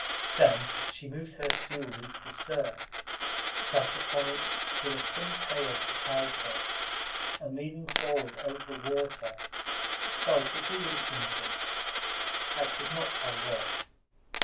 Then she moved her stool into the surf, sat upon it with a tin pail beside her, and, leaning forward over the water, fell to doing something, I could not tell what.